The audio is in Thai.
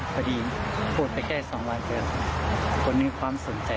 พอดีโฟดไปแค่๒วันเพื่อคนนึงความสนใจ